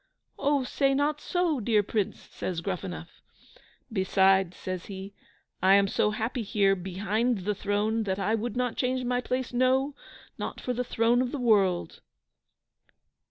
"Oh, say not so, dear Prince!" says Gruffanuff. "Beside," says he, "I am so happy here behind the throne, that I would not change my place, no, not for the throne of the world!"